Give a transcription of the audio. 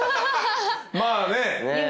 まあね。